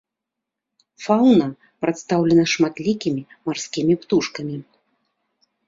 Фаўна прадстаўлена шматлікімі марскімі птушкамі.